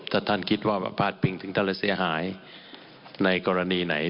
ถ้าท่านคิดว่าผ้าตเตรียงถึงเท่าไรเสียหายในกรณีอะไร